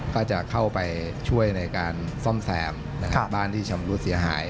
ก็จะเข้าไปช่วยในการซ่อมแซมบ้านที่ชำรุดเสียหาย